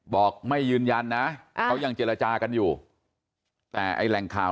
บอกไม่ยืนยันนะเขายังเจรจากันอยู่แต่ไอ้แหล่งข่าว